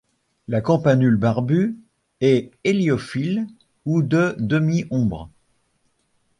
La campanule barbue est héliophile ou de demi-ombre.